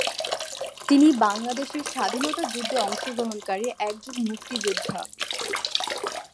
তিনি বাংলাদেশের স্বাধীনতা যুদ্ধে অংশগ্রহণকারী একজন মুক্তিযোদ্ধা।